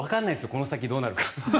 この先どうなるか。